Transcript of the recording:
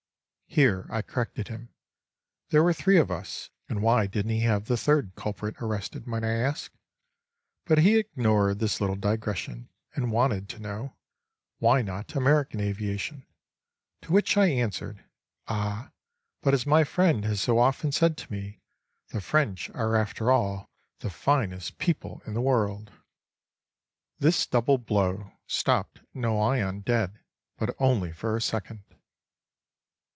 Here I corrected him: there were three of us; and why didn't he have the third culprit arrested, might I ask? But he ignored this little digression, and wanted to know: Why not American aviation?—to which I answered: "Ah, but as my friend has so often said to me, the French are after all the finest people in the world." This double blow stopped Noyon dead, but only for a second.